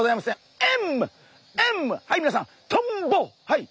はい。